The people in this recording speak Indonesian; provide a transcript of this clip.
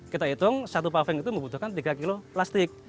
kita hitung satu paving itu membutuhkan tiga kilo plastik